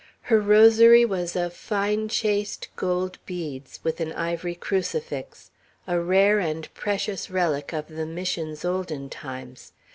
Her rosary was of fine chased gold beads, with an ivory crucifix; a rare and precious relic of the Missions' olden times.